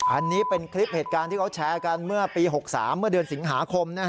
อันนี้เป็นคลิปเหตุการณ์ที่เขาแชร์กันเมื่อปี๖๓เมื่อเดือนสิงหาคม